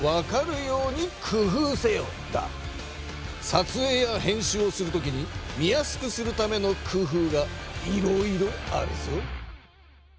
撮影や編集をするときに見やすくするための工夫がいろいろあるぞ。